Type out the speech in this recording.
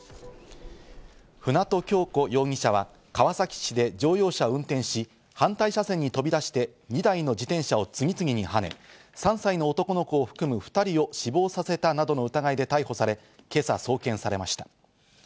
舟渡今日子容疑者は川崎市で乗用車を運転し、反対車線に飛び出して２台の自転車を次々にはね、３歳の男の子を含む２人を死亡させたなどの疑いで逮捕され、今朝送検されました。